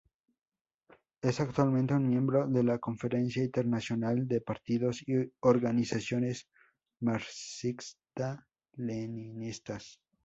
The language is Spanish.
Es actualmente un miembro de la Conferencia Internacional de Partidos y Organizaciones Marxista-Leninistas.